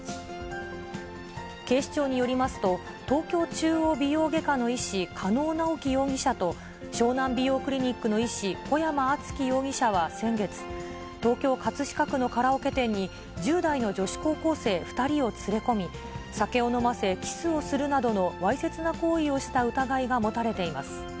警視庁によりますと、東京中央美容外科の医師、加納直樹容疑者と、湘南美容クリニックの医師、小山あつき容疑者は先月、東京・葛飾区のカラオケ店に１０代の女子高校生２人を連れ込み、酒を飲ませ、キスをするなどのわいせつな行為をした疑いが持たれています。